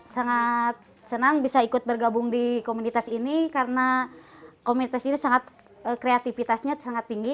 sangat senang bisa ikut bergabung di komunitas ini karena komunitas ini sangat kreativitasnya sangat tinggi